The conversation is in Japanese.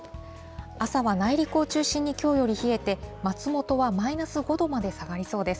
朝は内陸を中心にきょうより冷えて、松本はマイナス５度まで下がりそうです。